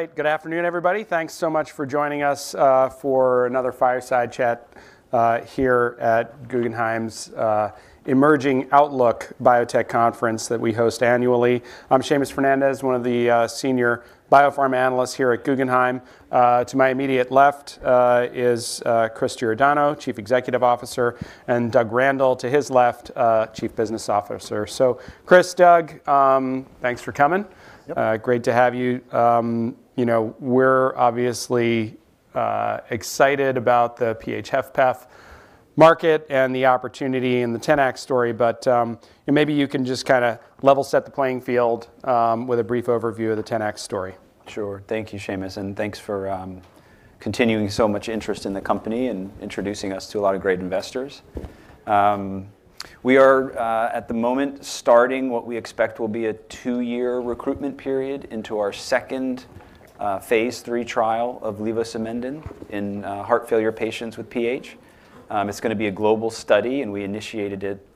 All right. Good afternoon, everybody. Thanks so much for joining us for another Fireside Chat here at Guggenheim's Emerging Outlook Biotech Conference that we host annually. I'm Seamus Fernandez, one of the senior biopharm analysts here at Guggenheim. To my immediate left is Chris Giordano, Chief Executive Officer, and Doug Randall, to his left, Chief Business Officer. So Chris, Doug, thanks for coming. Yep. Great to have you. You know, we're obviously excited about the PH-HFpEF market and the opportunity and the Tenax story, but maybe you can just kinda level set the playing field with a brief overview of the Tenax story. Sure. Thank you, Seamus, and thanks for continuing so much interest in the company and introducing us to a lot of great investors. We are at the moment starting what we expect will be a two-year recruitment period into our second Phase III trial of levosimendan in heart failure patients with PH. It's gonna be a global study, and we initiated it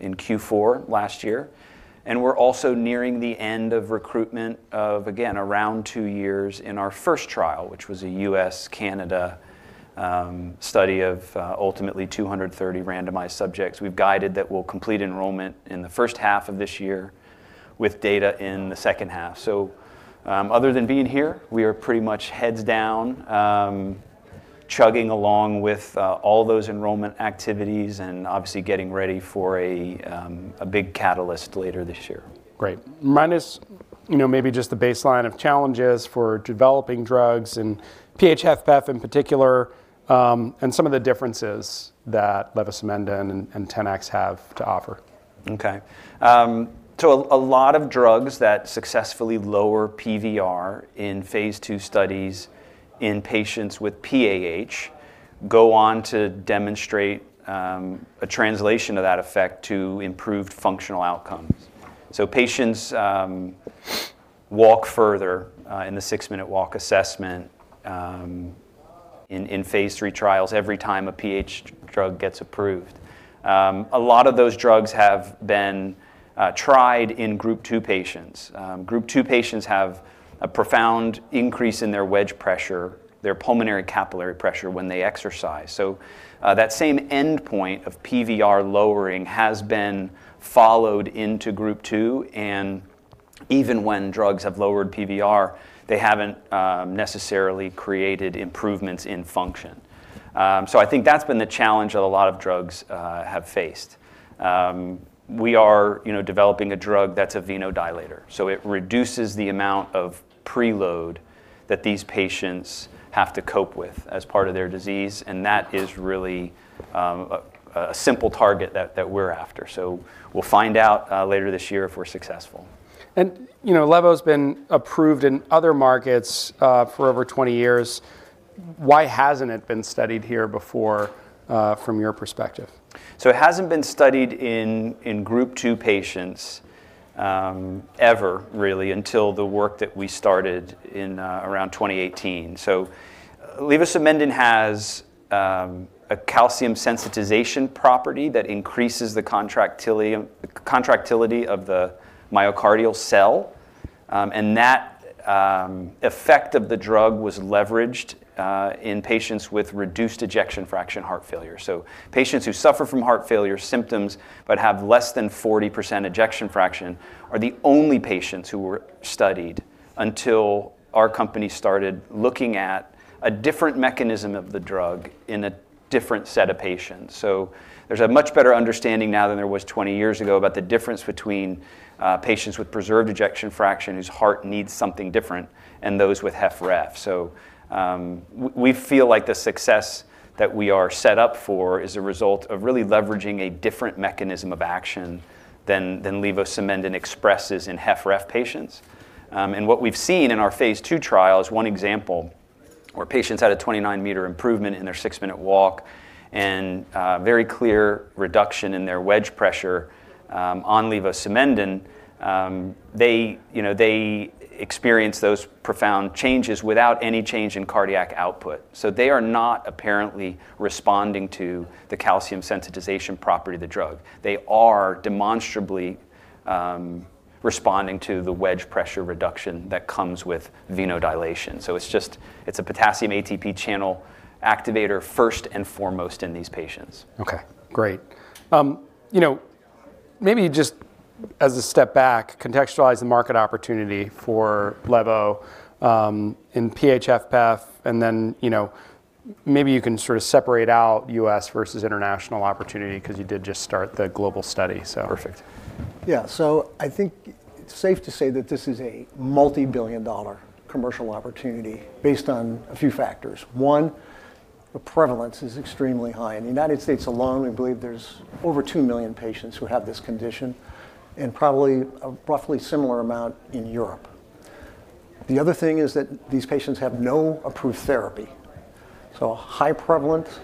in Q4 last year. We're also nearing the end of recruitment of, again, around two years in our first trial, which was a US-Canada study of ultimately 230 randomized subjects. We've guided that we'll complete enrollment in the first half of this year, with data in the second half. Other than being here, we are pretty much heads down, chugging along with all those enrollment activities, and obviously getting ready for a big catalyst later this year. Great. Minus, you know, maybe just the baseline of challenges for developing drugs and PH-HFpEF, in particular, and some of the differences that levosimendan and, and Tenax have to offer. Okay. So a lot of drugs that successfully lower PVR in Phase II studies in patients with PAH go on to demonstrate a translation of that effect to improved functional outcomes. So patients walk further in the six-minute walk assessment in phase III trials every time a PH drug gets approved. A lot of those drugs have been tried in Group II patients. Group II patients have a profound increase in their wedge pressure, their pulmonary capillary pressure, when they exercise. So that same endpoint of PVR lowering has been followed into Group II, and even when drugs have lowered PVR, they haven't necessarily created improvements in function. So I think that's been the challenge that a lot of drugs have faced. We are, you know, developing a drug that's a vasodilator, so it reduces the amount of preload that these patients have to cope with as part of their disease, and that is really a simple target that we're after. So we'll find out later this year if we're successful. You know, levo's been approved in other markets for over 20 years. Why hasn't it been studied here before from your perspective? So it hasn't been studied in Group II patients ever really, until the work that we started in around 2018. So levosimendan has a calcium sensitization property that increases the contractility of the myocardial cell. And that effect of the drug was leveraged in patients with reduced ejection fraction heart failure. So patients who suffer from heart failure symptoms but have less than 40% ejection fraction are the only patients who were studied until our company started looking at a different mechanism of the drug in a different set of patients. So there's a much better understanding now than there was 20 years ago about the difference between patients with preserved ejection fraction, whose heart needs something different, and those with HFrEF. So, we feel like the success that we are set up for is a result of really leveraging a different mechanism of action than levosimendan expresses in HFrEF patients. And what we've seen in our phase II trial is one example where patients had a 29-meter improvement in their six-minute walk and very clear reduction in their wedge pressure on levosimendan. They, you know, they experienced those profound changes without any change in cardiac output, so they are not apparently responding to the calcium sensitization property of the drug. They are demonstrably responding to the wedge pressure reduction that comes with vasodilatation. So it's just... It's a potassium ATP channel activator, first and foremost, in these patients. Okay, great. You know, maybe just as a step back, contextualize the market opportunity for levo in PH-HFpEF, and then, you know, maybe you can sort of separate out U.S. versus international opportunity, 'cause you did just start the global study, so. Perfect. Yeah, so I think it's safe to say that this is a multi-billion dollar commercial opportunity based on a few factors. One, the prevalence is extremely high. In the United States alone, we believe there's over 2 million patients who have this condition and probably a roughly similar amount in Europe. The other thing is that these patients have no approved therapy. So a high-prevalence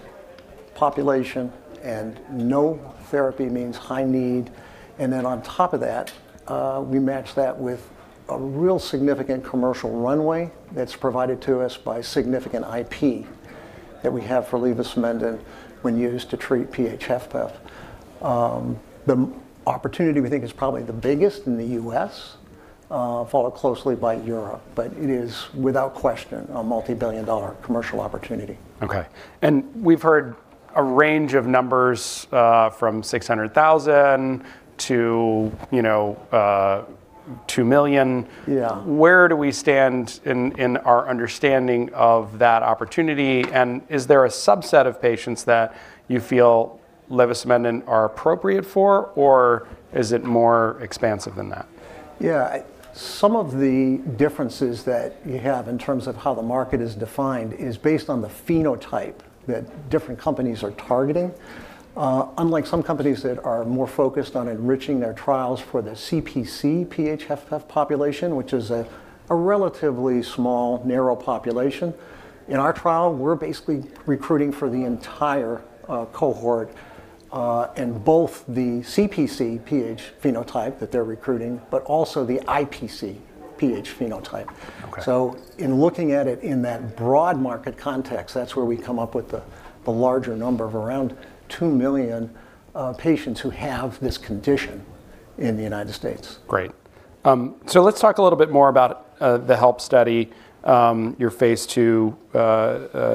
population and no therapy means high need, and then on top of that, we match that with a real significant commercial runway that's provided to us by significant IP that we have for levosimendan when used to treat PH-HFpEF. The opportunity we think is probably the biggest in the US, followed closely by Europe, but it is without question a multi-billion dollar commercial opportunity. Okay. We've heard a range of numbers from 600,000 to, you know, 2 million. Yeah. Where do we stand in our understanding of that opportunity? And is there a subset of patients that you feel levosimendan are appropriate for, or is it more expansive than that? Yeah, some of the differences that you have in terms of how the market is defined is based on the phenotype that different companies are targeting. Unlike some companies that are more focused on enriching their trials for the Cpc-PH HFpEF population, which is a relatively small, narrow population, in our trial, we're basically recruiting for the entire cohort in both the Cpc-PH phenotype that they're recruiting, but also the Ipc-PH phenotype. Okay. So in looking at it in that broad market context, that's where we come up with the larger number of around 2 million patients who have this condition in the United States. Great. So let's talk a little bit more about the LEVEL study, your phase II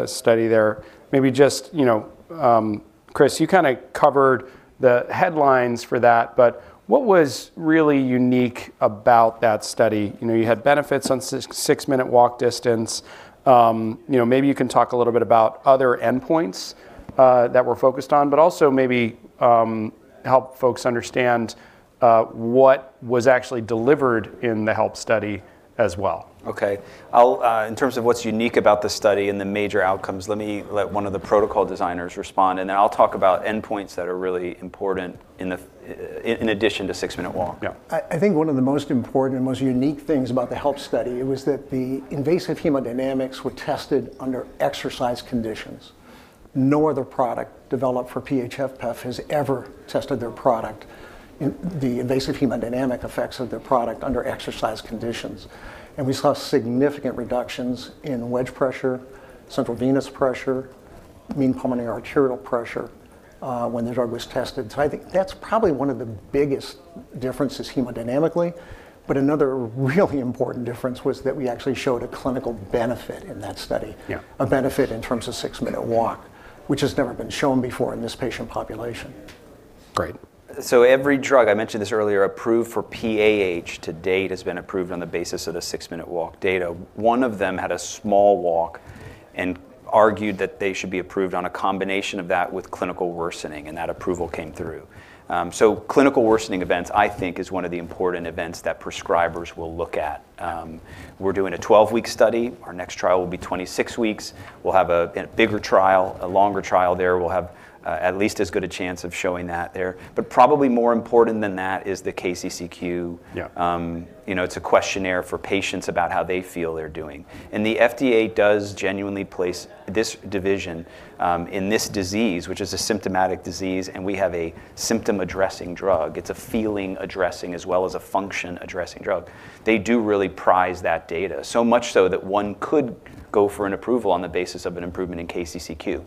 study there. Maybe just, you know, Chris, you kind of covered the headlines for that, but what was really unique about that study? You know, you had benefits on six-minute walk distance. You know, maybe you can talk a little bit about other endpoints that were focused on, but also maybe help folks understand what was actually delivered in the LEVEL study as well. Okay. I'll, in terms of what's unique about the study and the major outcomes, let one of the protocol designers respond, and then I'll talk about endpoints that are really important in addition to six-minute walk. Yeah. I think one of the most important and most unique things about the LEVEL study was that the invasive hemodynamics were tested under exercise conditions. No other product developed for PH-HFpEF has ever tested the invasive hemodynamic effects of their product under exercise conditions. We saw significant reductions in wedge pressure, central venous pressure, mean pulmonary arterial pressure when the drug was tested. So I think that's probably one of the biggest differences hemodynamically. Another really important difference was that we actually showed a clinical benefit in that study. Yeah. A benefit in terms of six-minute walk, which has never been shown before in this patient population. Great. So every drug, I mentioned this earlier, approved for PAH to date, has been approved on the basis of the six-minute walk data. One of them had a small walk and argued that they should be approved on a combination of that with clinical worsening, and that approval came through. So clinical worsening events, I think, is one of the important events that prescribers will look at. We're doing a 12-week study. Our next trial will be 26 weeks. We'll have a bigger trial, a longer trial there. We'll have at least as good a chance of showing that there. But probably more important than that is the KCCQ. Yeah. You know, it's a questionnaire for patients about how they feel they're doing. The FDA does genuinely place this division in this disease, which is a symptomatic disease, and we have a symptom-addressing drug. It's a feeling-addressing as well as a function-addressing drug. They do really prize that data, so much so that one could go for an approval on the basis of an improvement in KCCQ.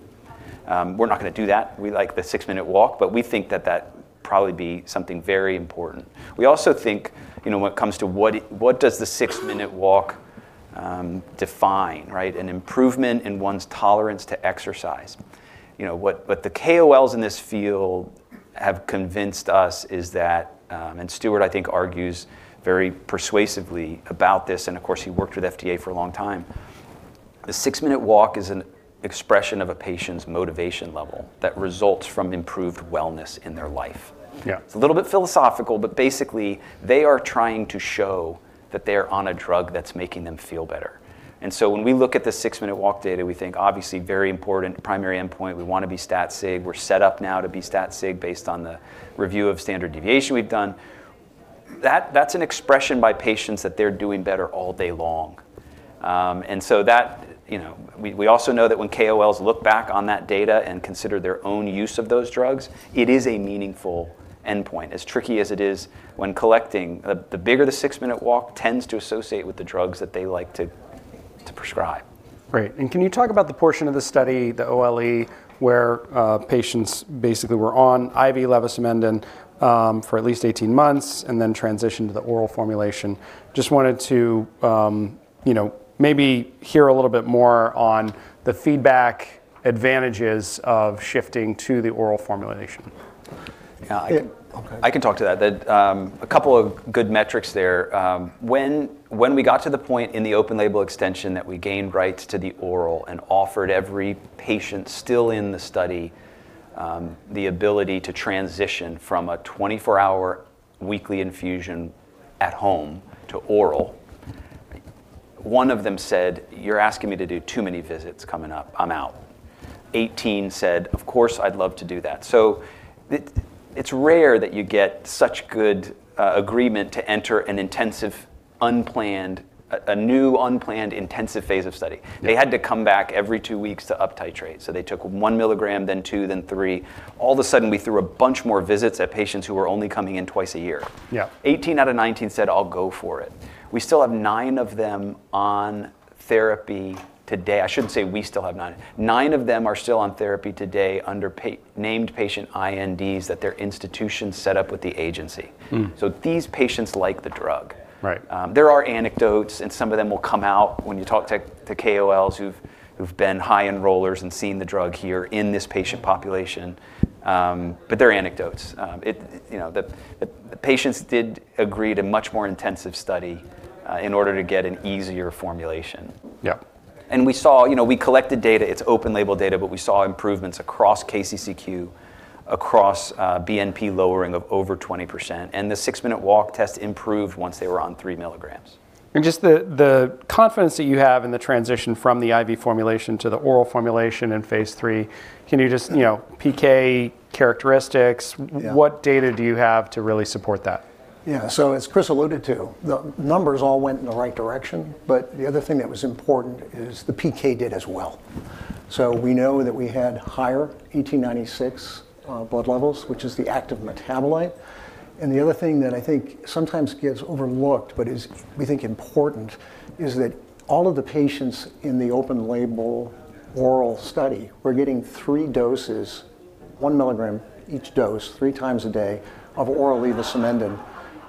We're not gonna do that. We like the six-minute walk, but we think that that probably be something very important. We also think, you know, when it comes to what the six-minute walk defines, right? An improvement in one's tolerance to exercise. You know, what the KOLs in this field have convinced us is that... Stuart, I think, argues very persuasively about this, and of course, he worked with FDA for a long time. The six-minute walk is an expression of a patient's motivation level that results from improved wellness in their life. Yeah. It's a little bit philosophical, but basically, they are trying to show that they are on a drug that's making them feel better. And so when we look at the six-minute walk data, we think, obviously, very important primary endpoint. We want to be stat sig. We're set up now to be stat sig based on the review of standard deviation we've done. That, that's an expression by patients that they're doing better all day long. And so that, you know, we also know that when KOLs look back on that data and consider their own use of those drugs, it is a meaningful endpoint, as tricky as it is when collecting... The bigger the six-minute walk tends to associate with the drugs that they like to prescribe. Great. And can you talk about the portion of the study, the OLE, where patients basically were on IV levosimendan for at least 18 months and then transitioned to the oral formulation? Just wanted to, you know, maybe hear a little bit more on the feedback, advantages of shifting to the oral formulation. Yeah. I- I can talk to that. That, a couple of good metrics there. When we got to the point in the open-label extension that we gained rights to the oral and offered every patient still in the study the ability to transition from a 24-hour weekly infusion at home to oral, one of them said: "You're asking me to do too many visits coming up, I'm out." 18 said: "Of course, I'd love to do that." So it's rare that you get such good agreement to enter an unplanned intensive phase of study. Yeah. They had to come back every two weeks to uptitrate. So they took 1 milligram, then 2, then 3. All of a sudden, we threw a bunch more visits at patients who were only coming in twice a year. Yeah. 18 out of 19 said, "I'll go for it." We still have 9 of them on therapy today. I shouldn't say we still have 9. 9 of them are still on therapy today under named patient INDs that their institutions set up with the agency. Mm. These patients like the drug. Right. There are anecdotes, and some of them will come out when you talk to KOLs who've been high enrollers and seen the drug here in this patient population, but they're anecdotes. It, you know, the patients did agree to much more intensive study in order to get an easier formulation. Yep. We saw... You know, we collected data. It's open-label data, but we saw improvements across KCCQ, across BNP lowering of over 20%, and the six-minute walk test improved once they were on 3 milligrams. Just the confidence that you have in the transition from the IV formulation to the oral formulation in Phase III, can you just, you know, PK characteristics? Yeah. What data do you have to really support that? Yeah. So as Chris alluded to, the numbers all went in the right direction, but the other thing that was important is the PK did as well. So we know that we had higher OR-1896 blood levels, which is the active metabolite. And the other thing that I think sometimes gets overlooked, but is, we think, important, is that all of the patients in the open-label oral study were getting 3 doses, 1 mg each dose, 3 times a day, of oral levosimendan.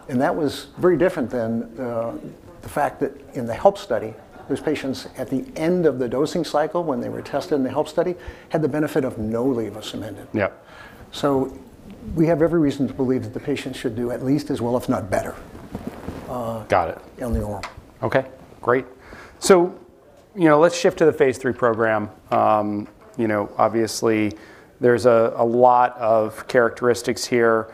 And that was very different than the fact that in the HELP study, those patients at the end of the dosing cycle, when they were tested in the HELP study, had the benefit of no levosimendan. Yep. We have every reason to believe that the patients should do at least as well, if not better. Got it... in the oral. Okay, great. So, you know, let's shift to the Phase III program. You know, obviously, there's a lot of characteristics here.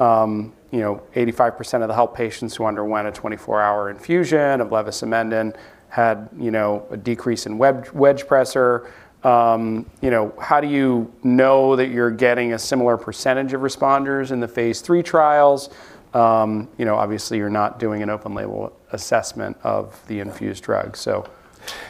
You know, 85% of the HELP patients who underwent a 24-hour infusion of levosimendan had, you know, a decrease in wedge pressure. You know, how do you know that you're getting a similar percentage of responders in the Phase III trials? You know, obviously, you're not doing an open-label assessment of the infused drug, so.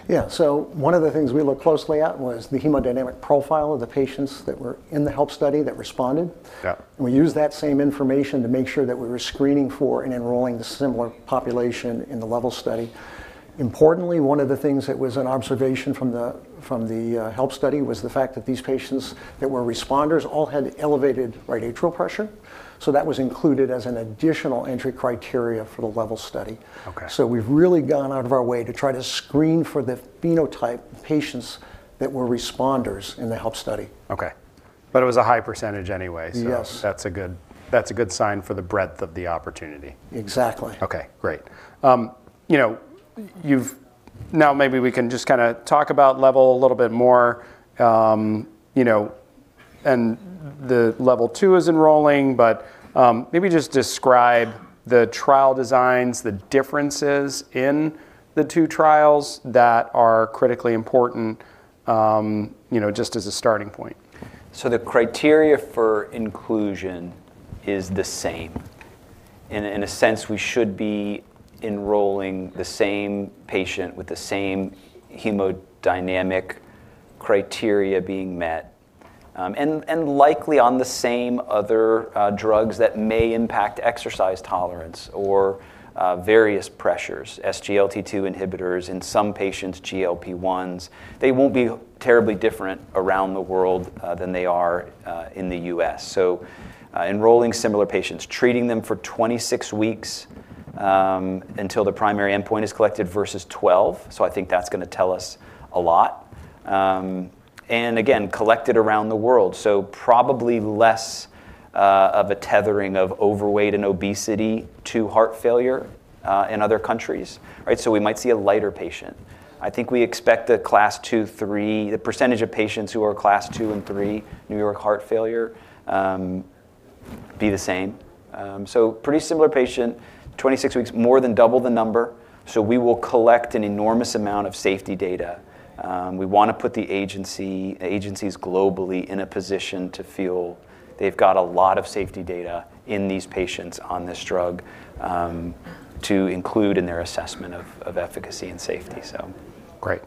Yeah. So one of the things we looked closely at was the hemodynamic profile of the patients that were in the HELP study that responded. Yep. We used that same information to make sure that we were screening for and enrolling a similar population in the LEVEL study. Importantly, one of the things that was an observation from the HELP study was the fact that these patients that were responders all had elevated right atrial pressure. That was included as an additional entry criteria for the LEVEL study. Okay. We've really gone out of our way to try to screen for the phenotype patients that were responders in the HELP study. Okay. But it was a high percentage anyway, so- Yes... that's a good, that's a good sign for the breadth of the opportunity. Exactly. Okay, great. You know, maybe we can just kinda talk about LEVEL a little bit more. You know, and the LEVEL-2 is enrolling, but maybe just describe the trial designs, the differences in the two trials that are critically important, you know, just as a starting point. So the criteria for inclusion is the same. In a sense, we should be enrolling the same patient with the same hemodynamic criteria being met, and likely on the same other drugs that may impact exercise tolerance or various pressures, SGLT2 inhibitors, in some patients, GLP-1s. They won't be terribly different around the world than they are in the U.S. So, enrolling similar patients, treating them for 26 weeks until the primary endpoint is collected versus 12, so I think that's gonna tell us a lot. And again, collected around the world, so probably less of a tethering of overweight and obesity to heart failure in other countries. Right, so we might see a lighter patient. I think we expect the Class II, III... The percentage of patients who are Class II and III New York heart failure, be the same. So pretty similar patient, 26 weeks, more than double the number, so we will collect an enormous amount of safety data. We wanna put the agency, agencies globally in a position to feel they've got a lot of safety data in these patients on this drug, to include in their assessment of, of efficacy and safety, so. Great.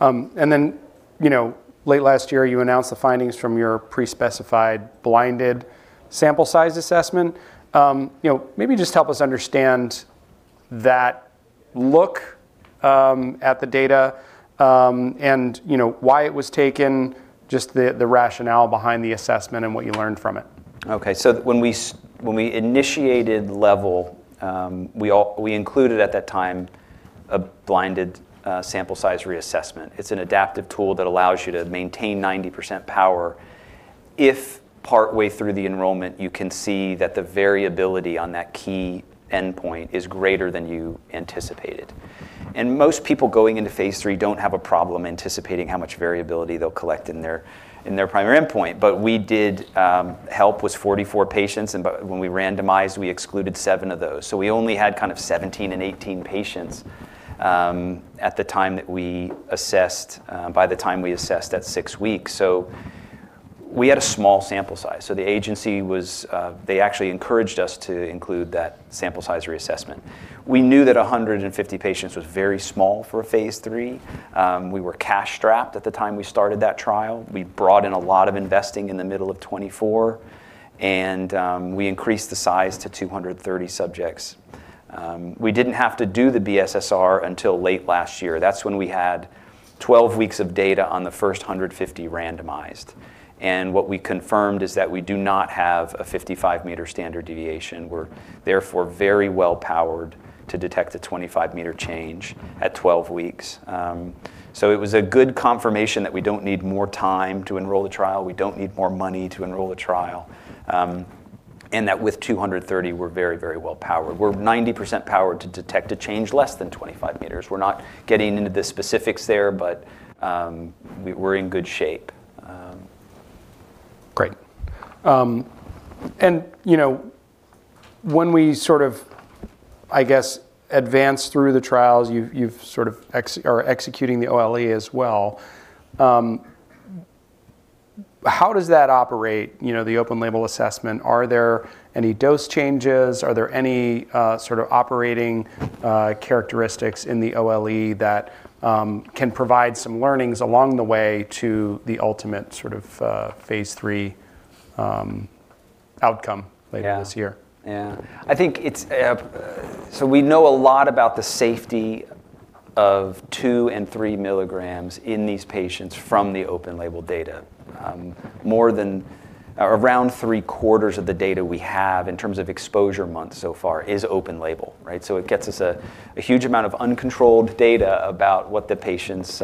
And then, you know, late last year, you announced the findings from your pre-specified, blinded sample size assessment. You know, maybe just help us understand that look at the data, and, you know, why it was taken, just the rationale behind the assessment and what you learned from it. Okay. So when we initiated LEVEL, we included at that time a blinded sample size reassessment. It's an adaptive tool that allows you to maintain 90% power if partway through the enrollment, you can see that the variability on that key endpoint is greater than you anticipated. And most people going into phase III don't have a problem anticipating how much variability they'll collect in their, in their primary endpoint, but we did. HELP was 44 patients, and but when we randomized, we excluded seven of those. So we only had kind of 17 and 18 patients at the time that we assessed by the time we assessed at six weeks. So we had a small sample size, so the agency was, they actually encouraged us to include that sample size reassessment. We knew that 150 patients was very small for a phase III. We were cash-strapped at the time we started that trial. We brought in a lot of investing in the middle of 2024, and we increased the size to 230 subjects. We didn't have to do the BSSR until late last year. That's when we had 12 weeks of data on the first 150 randomized, and what we confirmed is that we do not have a 55-meter standard deviation. We're therefore very well-powered to detect a 25-meter change at 12 weeks. So it was a good confirmation that we don't need more time to enroll the trial, we don't need more money to enroll the trial, and that with 230, we're very, very well powered. We're 90% powered to detect a change less than 25 meters. We're not getting into the specifics there, but we're in good shape. Great. And, you know, when we sort of, I guess, advance through the trials, you are executing the OLE as well. How does that operate, you know, the open-label assessment? Are there any dose changes? Are there any sort of operating characteristics in the OLE that can provide some learnings along the way to the ultimate sort of phase III outcome- Yeah Later this year? Yeah. I think it's so we know a lot about the safety of two and three milligrams in these patients from the open-label data. More than, around three-quarters of the data we have in terms of exposure months so far is open label, right? So it gets us a huge amount of uncontrolled data about what the patients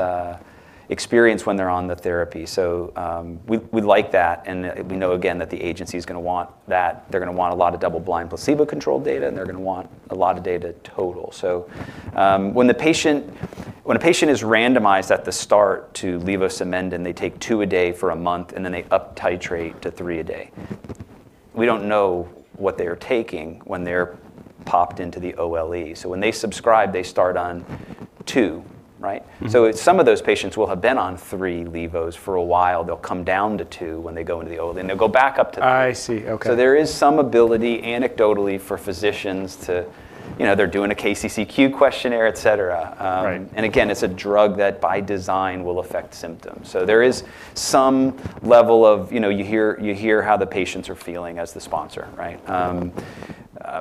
experience when they're on the therapy. So we like that, and we know again that the agency is gonna want that. They're gonna want a lot of double-blind, placebo-controlled data, and they're gonna want a lot of data total. So when a patient is randomized at the start to levosimendan and they take two a day for a month, and then they uptitrate to III a day, we don't know what they are taking when they're popped into the OLE. When they subscribe, they start on two, right? Mm-hmm. Some of those patients will have been on three levos for a while. They'll come down to two when they go into the OLE, and they'll go back up to three. I see. Okay. So there is some ability, anecdotally, for physicians to... You know, they're doing a KCCQ questionnaire, et cetera. Right. And again, it's a drug that, by design, will affect symptoms. So there is some level of, you know, you hear, you hear how the patients are feeling as the sponsor, right?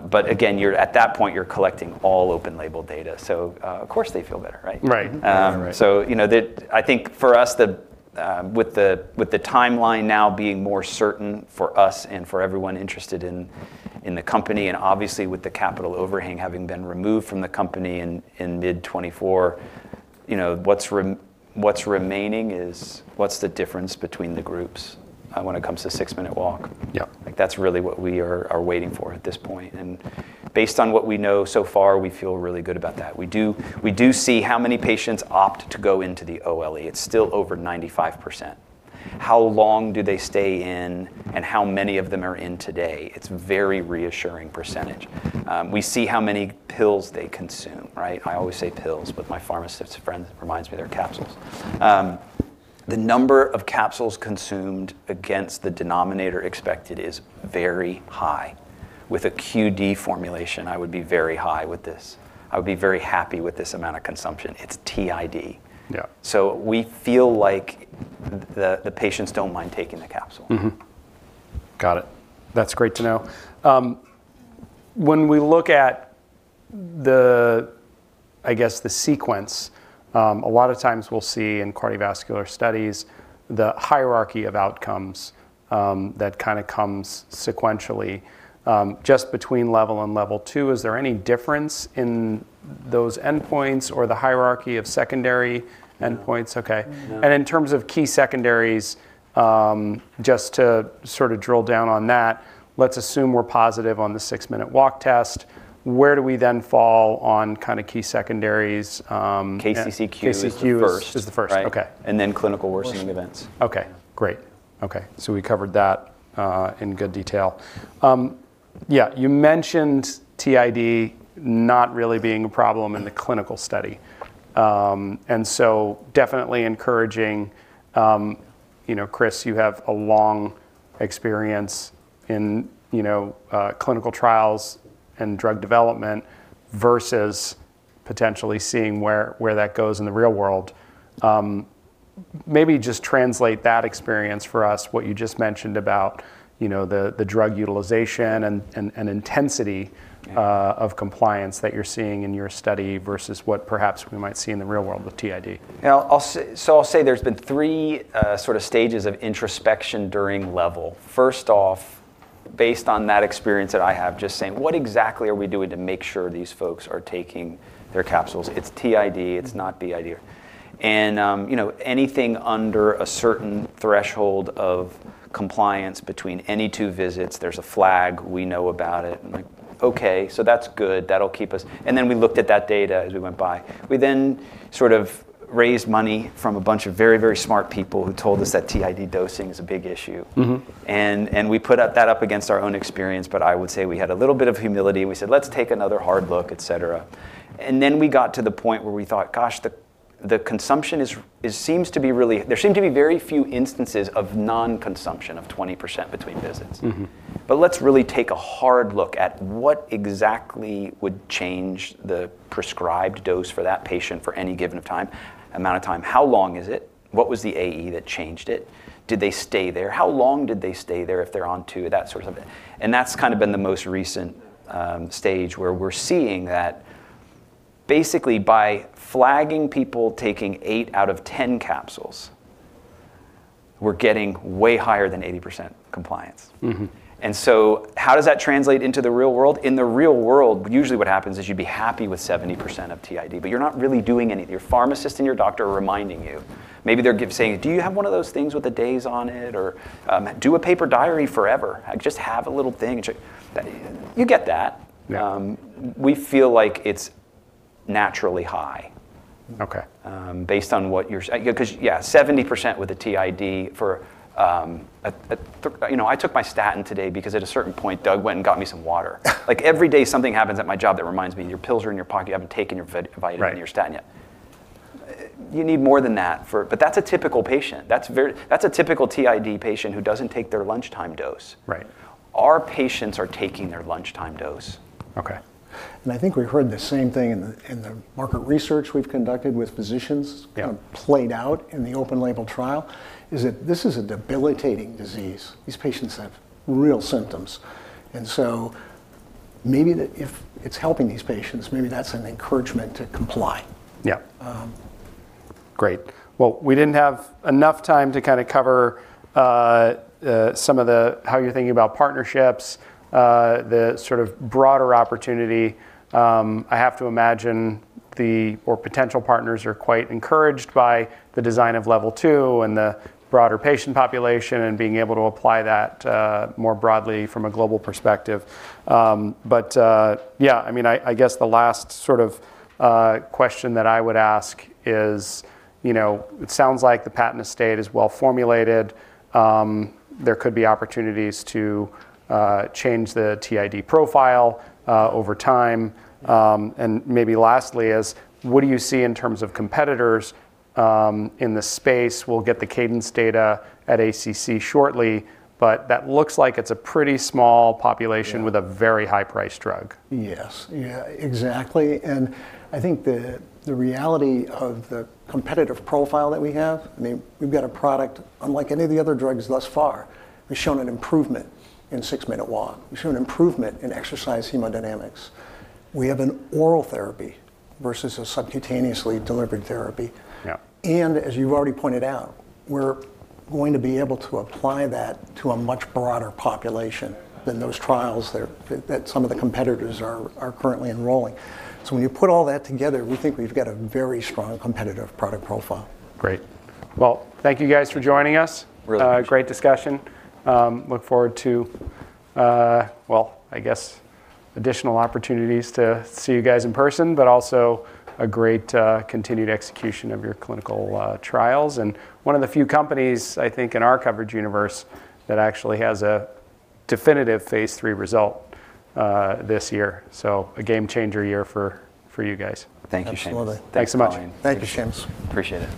But again, you're at that point, you're collecting all open label data, so, of course, they feel better, right? Right. Um- Right. So, you know, I think for us, with the timeline now being more certain for us and for everyone interested in the company, and obviously with the capital overhang having been removed from the company in mid 2024, you know, what's remaining is: what's the difference between the groups, when it comes to six-minute walk? Yeah. Like, that's really what we are waiting for at this point, and based on what we know so far, we feel really good about that. We do, we do see how many patients opt to go into the OLE. It's still over 95%. How long do they stay in, and how many of them are in today? It's a very reassuring percentage. We see how many pills they consume, right? I always say pills, but my pharmacist friend reminds me they're capsules. The number of capsules consumed against the denominator expected is very high. With a QD formulation, I would be very high with this. I would be very happy with this amount of consumption. It's TID. Yeah. We feel like the patients don't mind taking the capsule. Mm-hmm. Got it. That's great to know. When we look at the, I guess, the sequence, a lot of times, we'll see in cardiovascular studies the hierarchy of outcomes, that kind of comes sequentially. Just between LEVEL-1 and LEVEL-2, is there any difference in those endpoints or the hierarchy of secondary endpoints? No. Okay. No. In terms of key secondaries, just to sort of drill down on that, let's assume we're positive on the six-minute walk test. Where do we then fall on kind of key secondaries? KCCQ- KCCQ- is the first. - is the first. Right. Okay. Then clinical worsening events. Okay, great. Okay, so we covered that in good detail. Yeah, you mentioned TID not really being a problem in the clinical study. And so definitely encouraging. You know, Chris, you have a long experience in, you know, clinical trials and drug development versus potentially seeing where that goes in the real world. Maybe just translate that experience for us, what you just mentioned about, you know, the drug utilization and intensity- Yeah... of compliance that you're seeing in your study versus what perhaps we might see in the real world with TID. Yeah, so I'll say there's been three sort of stages of introspection during LEVEL. First off, based on that experience that I have, just saying: What exactly are we doing to make sure these folks are taking their capsules? It's TID, it's not BID. And, you know, anything under a certain threshold of compliance between any two visits, there's a flag, we know about it, and like, okay, so that's good. That'll keep us... And then we looked at that data as we went by. We then sort of raised money from a bunch of very, very smart people who told us that TID dosing is a big issue. Mm-hmm. And we put that up against our own experience, but I would say we had a little bit of humility, and we said, "Let's take another hard look," et cetera. And then we got to the point where we thought, gosh, the consumption seems to be really—there seem to be very few instances of non-consumption of 20% between visits. Mm-hmm. But let's really take a hard look at what exactly would change the prescribed dose for that patient for any given of time, amount of time. How long is it? What was the AE that changed it? Did they stay there? How long did they stay there, if they're on two, that sort of thing. And that's kind of been the most recent stage where we're seeing that basically by flagging people taking 8 out of 10 capsules, we're getting way higher than 80% compliance. Mm-hmm. How does that translate into the real world? In the real world, usually what happens is you'd be happy with 70% of TID, but you're not really doing anything. Your pharmacist and your doctor are reminding you. Maybe they're saying, "Do you have one of those things with the days on it?" Or, "Do a paper diary forever. Just have a little thing, check..." You get that. Yeah. We feel like it's naturally high. Okay. Based on what you're... 'Cause yeah, 70% with a TID for, you know, I took my statin today because at a certain point, Doug went and got me some water. Like, every day, something happens at my job that reminds me, "Your pills are in your pocket. You haven't taken your vitamin- Right or your statin yet. You need more than that for-- But that's a typical patient. That's very-- That's a typical TID patient who doesn't take their lunchtime dose. Right. Our patients are taking their lunchtime dose. Okay. I think we've heard the same thing in the market research we've conducted with physicians- Yeah Kind of played out in the open-label trial is that this is a debilitating disease. These patients have real symptoms, and so maybe that if it's helping these patients, maybe that's an encouragement to comply. Yeah. Um- Great. Well, we didn't have enough time to kind of cover some of the-- how you're thinking about partnerships, the sort of broader opportunity. I have to imagine the-- or potential partners are quite encouraged by the design of level two and the broader patient population, and being able to apply that, more broadly from a global perspective. But, yeah, I mean, I guess the last sort of question that I would ask is, you know, it sounds like the patent estate is well formulated. There could be opportunities to change the TID profile over time. And maybe lastly is, what do you see in terms of competitors in the space? We'll get the Cadence data at ACC shortly, but that looks like it's a pretty small population. Yeah... with a very high-priced drug. Yes. Yeah, exactly, and I think the reality of the competitive profile that we have, I mean, we've got a product unlike any of the other drugs thus far. We've shown an improvement in six-minute walk. We've shown an improvement in exercise hemodynamics. We have an oral therapy versus a subcutaneously delivered therapy. Yeah. As you've already pointed out, we're going to be able to apply that to a much broader population than those trials that some of the competitors are currently enrolling. So when you put all that together, we think we've got a very strong competitive product profile. Great. Well, thank you guys for joining us. Really appreciate it. Great discussion. Look forward to, well, I guess, additional opportunities to see you guys in person, but also a great continued execution of your clinical trials. And one of the few companies, I think, in our coverage universe that actually has a definitive Phase III result this year, so a game-changer year for you guys. Thank you, Seamus. Absolutely. Thanks so much. Thank you, Seamus. Appreciate it.